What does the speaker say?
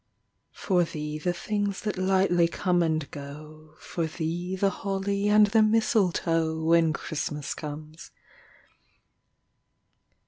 For thee, the things that lightly come and go, For thee, the holly and the mistletoe, When Christmas comes.